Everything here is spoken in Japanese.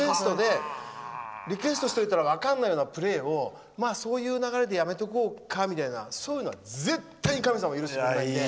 リクエストした時に分からないようなプレーをまあ、そういう流れでやめとこうかみたいなそういうのは絶対に神様は許してくれなくて。